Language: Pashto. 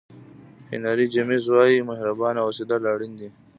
هینري جمیز وایي مهربانه اوسېدل اړین دي.